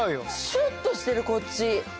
シュッとしてるこっち。